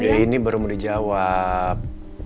ya ini baru mau dijawab